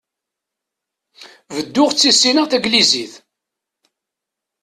Bedduɣ ttissineɣ tagnizit.